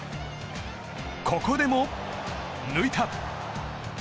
ここでも抜いた！